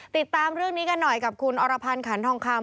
ติดตามเรื่องนี้กันหน่อยกับคุณอรพันธ์ขันทองคำ